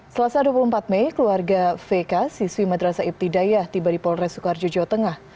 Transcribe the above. selasa dua puluh empat mei keluarga vk siswi madrasa ibtidayah tiba di polres sukoharjo jawa tengah